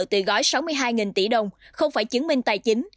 từ gói sáu mươi hai tỷ đồng không phải chứng minh tài chính